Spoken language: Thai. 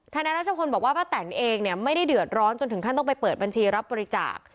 นารัชพลบอกว่าป้าแตนเองเนี่ยไม่ได้เดือดร้อนจนถึงขั้นต้องไปเปิดบัญชีรับบริจาค